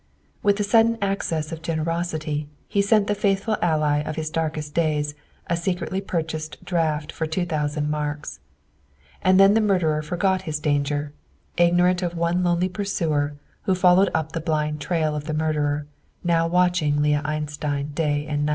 With a sudden access of generosity, he sent the faithful ally of his darkest day a secretly purchased draft for two thousand marks. And then the murderer forgot his danger, ignorant of one lonely pursuer who followed up the blind trail of the murderer, now watching Leah Einstein night and day.